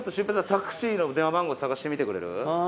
タクシーの電話番号探してみてくれる？